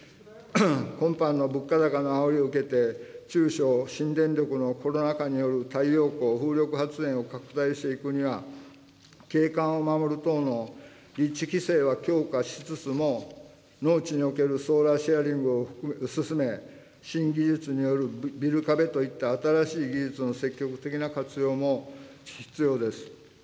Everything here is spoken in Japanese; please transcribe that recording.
今般の物価高のあおりを受けて、中小新電力のコロナ禍による太陽光・風力発電を拡大していくには、景観を守る等の立地規制は強化しつつも、農地におけるソーラーシェアリングを進め、新技術によるビル壁といった新しい技術の積極的な活用も必要です。